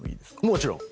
もちろん。